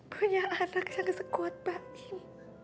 punya anak yang sekuat mbak em